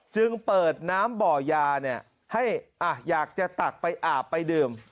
จึงเปิดน้ำบ่อยาให้อยากจะตักไปอาบไปดื่ม